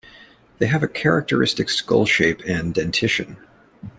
They have a characteristic skull shape and dentition.